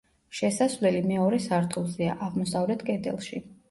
შესასვლელი მეორე სართულზეა, აღმოსავლეთ კედელში.